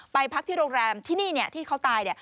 พักที่โรงแรมที่นี่ที่เขาตาย